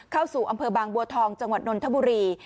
เข้าสู่อำเภอบางบัวทองจังหวัดนนทบุรี